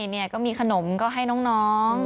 นี่ก็มีขนมก็ให้น้อง